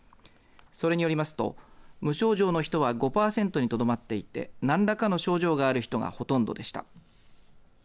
それによりますと無症状の人は５パーセントにとどまっていて何らかの症状がある人がほとんどでした。